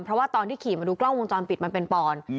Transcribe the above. เพราะว่าตอนที่ขี่มาดูกล้องวงจรปิดมันเป็นปอน